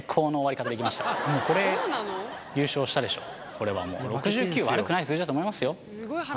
これはもう６９悪くない数字だと思いますよ。